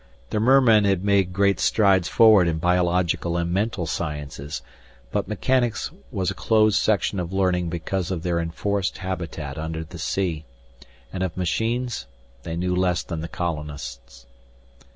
The mermen had made great strides forward in biological and mental sciences, but mechanics was a closed section of learning because of their enforced habitat under the sea, and of machines they knew less than the colonists.